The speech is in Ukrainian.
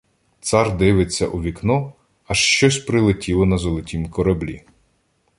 Цар дивиться у вікно — аж щось прилетіло на золотім кораблі.